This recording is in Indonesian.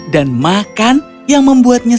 dan makan yang membuatnya